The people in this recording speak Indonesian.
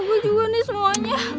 gue juga nih semuanya